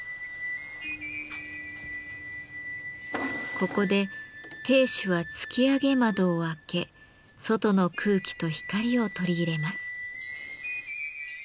ここで亭主は突き上げ窓を開け外の空気と光を取り入れます。